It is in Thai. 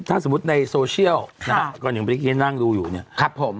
ถ้าสมมุติในโซเชียลนะครับก่อนหนึ่งบริกินนั่งดูอยู่เนี่ยครับผม